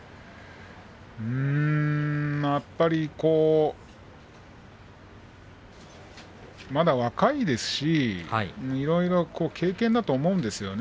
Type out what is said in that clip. やっぱり、こうまだ若いですしいろいろ経験だと思うんですよね。